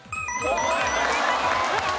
正解です！